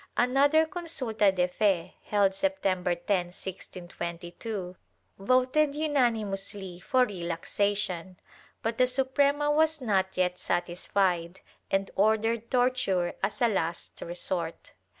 Another consulta de fe, held September 10, 1622, voted unanimously for relaxation, but the Suprema was not yet satisfied and ordered torture as a last resort.